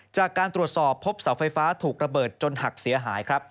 จากการตรวจสอบพบเสาไฟฟ้าถูกระเบิดจนหักเสียหายครับ